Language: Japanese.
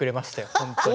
本当に。